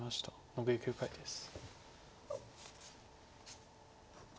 残り９回です。